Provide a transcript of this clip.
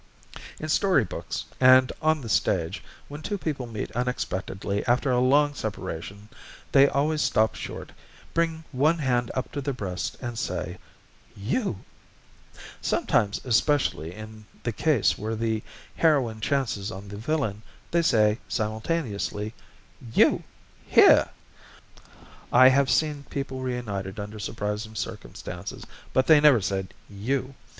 In story books, and on the stage, when two people meet unexpectedly after a long separation they always stop short, bring one hand up to their breast, and say: "You!" Sometimes, especially in the case where the heroine chances on the villain, they say, simultaneously: "You! Here!" I have seen people reunited under surprising circumstances, but they never said, "You!"